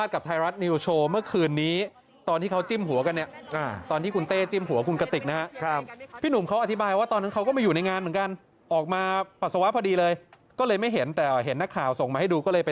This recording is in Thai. อ๋อปกติพูดกันแบบนี้เลยใช่ไหมคะ